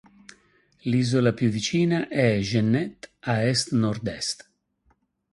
L'isola più vicina è Jeannette a est-nord-est.